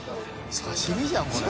刺し身じゃんこれ。